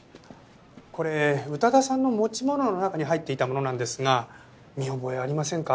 これ宇多田さんの持ち物の中に入っていたものなんですが見覚えありませんか？